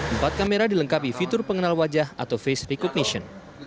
empat kamera dilengkapi fitur pengenal wajah atau face recognition